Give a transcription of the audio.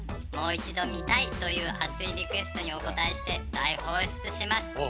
もう一度見たいという熱いリクエストにお応えして大放出します。